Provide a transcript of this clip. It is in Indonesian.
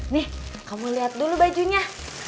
nih kamu lihat dulu bajunya